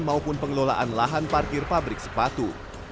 maupun pengelolaan lahan parkir pabrik sepatu